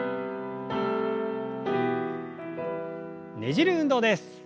ねじる運動です。